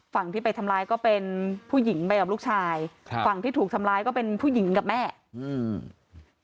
ฝั่งที่ไปทำร้ายก็เป็นผู้หญิงไปกับลูกชายครับฝั่งที่ถูกทำร้ายก็เป็นผู้หญิงกับแม่อืม